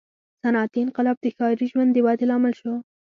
• صنعتي انقلاب د ښاري ژوند د ودې لامل شو.